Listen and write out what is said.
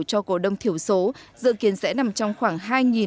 cho cổ đông thiểu số dự kiến sẽ nằm trong khoảng